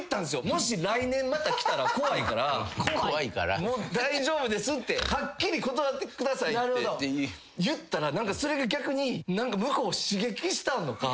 もし来年また来たら怖いからもう大丈夫ですってはっきり断ってくださいって言ったらそれが逆に何か向こうを刺激したのか。